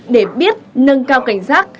để biết nâng cao cảnh giác